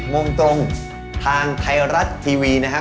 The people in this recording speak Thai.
โมงตรงทางไทยรัฐทีวีนะฮะ